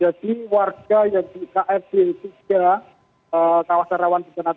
jadi warga yang di kfj tiga kawasan rawan bukit tanah tiga